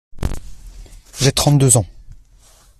J’ai trente-deux ans.